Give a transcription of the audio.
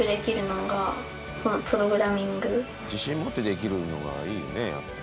自信持ってできるのがいいよねやっぱり。